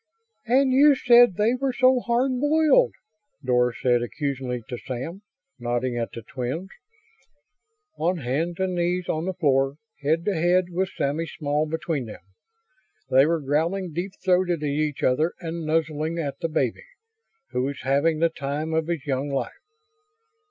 "And you said they were so hard boiled," Doris said accusingly to Sam, nodding at the twins. On hands and knees on the floor, head to head with Sammy Small between them, they were growling deep throated at each other and nuzzling at the baby, who was having the time of his young life.